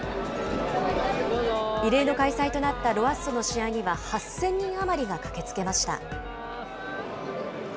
異例の開催となったロアッソの試合には、８０００人余りが駆けつけました。